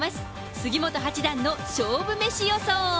杉本八段の勝負メシ予想。